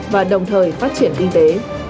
và đồng thời phát triển kinh tế